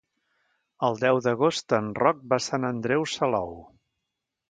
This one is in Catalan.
El deu d'agost en Roc va a Sant Andreu Salou.